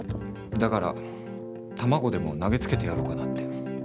だから卵でも投げつけてやろうかなって。